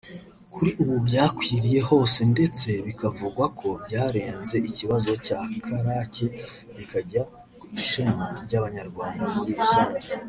Kuri ubu byakwiriye hose ndetse bikavugwa ko byarenze ikibazo cya Karake bikajya ku ishema ry’abanyarwanda muri rusange